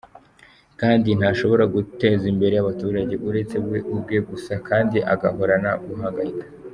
kandi ntashobora guteza imbere abaturage, uretse we ubwe gusa kdi agahorana guhangayika.